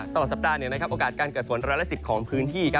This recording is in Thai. ตลอดสัปดาห์โอกาสการเกิดฝนร้อยละ๑๐ของพื้นที่